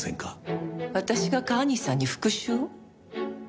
私が川西さんに復讐を？